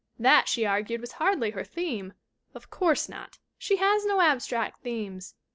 That, she argued, was hardly her theme. Of course not. She has no abstract themes.